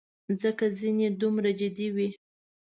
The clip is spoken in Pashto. ځکه ځینې یې دومره جدي وې.